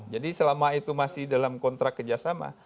jadi selama itu masih dalam kontrak kerjasama